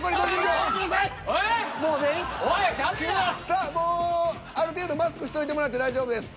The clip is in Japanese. さあもうある程度マスクしといてもらって大丈夫です。